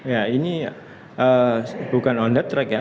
ya ini bukan on the track ya